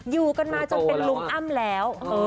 อยู่กันมาจนเป็นลุงอ้ำแล้ว